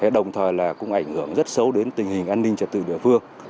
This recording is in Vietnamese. đồng thời cũng ảnh hưởng rất xấu đến tình hình an ninh trật tự địa phương